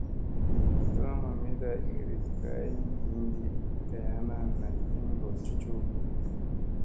Hu taraŋ mamida iiriɗ kayki hinɗi kay ana naɗ ki ŋgol cocoo.